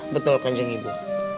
betul kan jeng ibu